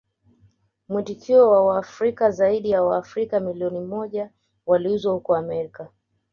Mwitikio wa Waafrika Zaidi ya Waafrika milioni moja waliuzwa huko Amerika